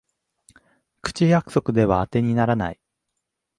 口約束ではあてにならない